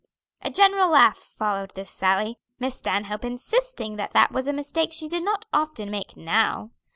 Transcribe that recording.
A general laugh followed this sally, Miss Stanhope insisting that that was a mistake she did not often make now.